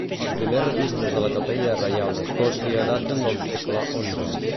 Els primers registres de la Capella Reial d'Escòcia daten del segle XI.